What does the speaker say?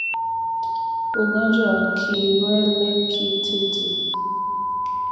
Ugonjwa wa kiwele Kititi